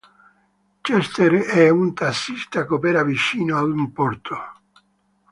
Chester è un tassista che opera vicino ad un porto.